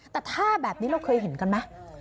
แต่ท่าแบบนี้เราเคยเห็นกันไหม